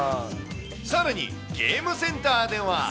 さらに、ゲームセンターでは。